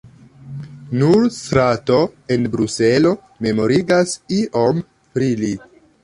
Nur strato en Bruselo memorigas iom pri li.